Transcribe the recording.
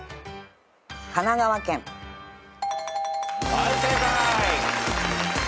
はい正解。